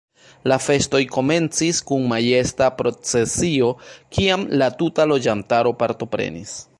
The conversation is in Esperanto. La festoj komencis kun majesta procesio kiam la tuta loĝantaro partoprenis.